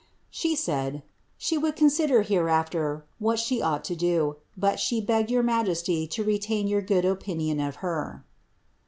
^ She »id, 'she wonU cnriE^klcr hereafter what she ought to do, but she beg'ged your majMij to retain your gooii opinion of her.'